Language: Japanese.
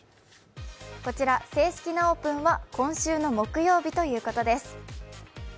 こちら、正式なオープンは今週の木曜日ということです。